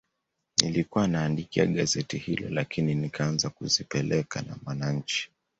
Nilikuwa naandikia gazeti hilo lakini nikaanza kuzipeleka na Mwananchi